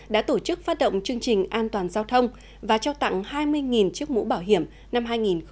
đã tổ chức phát động chương trình an toàn giao thông và trao tặng hai mươi chiếc mũ bảo hiểm năm hai nghìn hai mươi